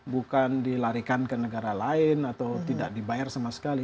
bukan dilarikan ke negara lain atau tidak dibayar sama sekali